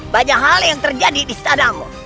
banyak hal yang terjadi di stadanggo